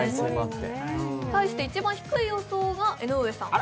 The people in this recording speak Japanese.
対して一番低い予想が江上さん。